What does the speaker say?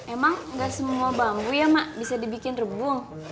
emang gak semua bambu ya mak bisa dibikin rebung